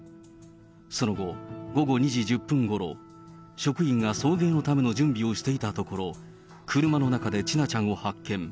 その後、午後２時１０分ごろ、職員が送迎のための準備をしていたところ、車の中で千奈ちゃんを発見。